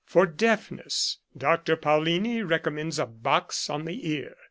For deafness Dr. Paullini recommends a box on the ear.